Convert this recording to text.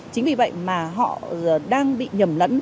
chính vì vậy mà họ đang bị nhầm lẫn